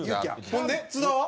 ほんで津田は？